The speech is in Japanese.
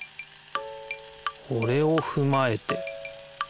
これをふまえて。